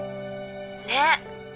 ねっ。